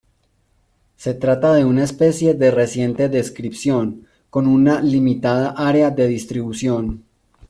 Se trata de una especie de reciente descripción, con una limitada área de distribución.